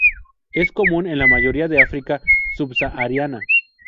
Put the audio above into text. Es común en la mayoría de África subsahariana.